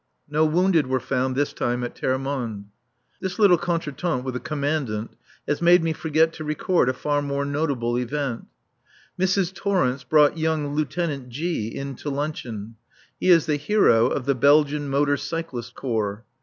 No wounded were found, this time, at Termonde. This little contretemps with the Commandant has made me forget to record a far more notable event. Mrs. Torrence brought young Lieutenant G in to luncheon. He is the hero of the Belgian Motor Cyclist Corps.